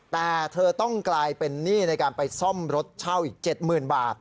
แต่เธอต้องกลายเป็นหนี้ในการไปซ่อมรถเช่าอีก๗๐๐๐บาท